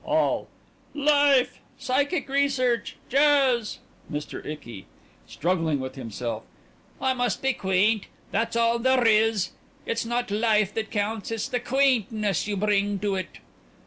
ALL: Life! Psychic Research! Jazz! MR. ICKY: (Struggling with himself) I must be quaint. That's all there is. It's not life that counts, it's the quaintness you bring to it....